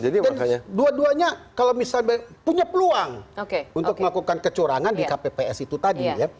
dan dua duanya kalau misalnya punya peluang untuk melakukan kecurangan di kpps itu tadi ya